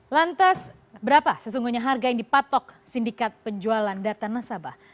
lantas berapa sesungguhnya harga yang dipatok sindikat penjualan data nasabah